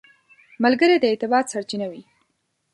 ملګری د اعتبار سرچینه وي